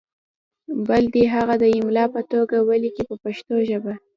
بل دې هغه د املا په توګه ولیکي په پښتو ژبه.